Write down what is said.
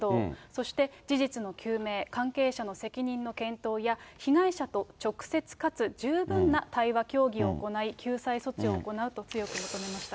そして事実の究明、関係者の責任の検討や、被害者と直接かつ十分な対話、協議を行い、救済措置を行うと強く求めました。